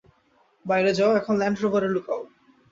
বাইরে যাও এখন ল্যান্ড রোভারে লুকাও!